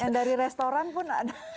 yang dari restoran pun ada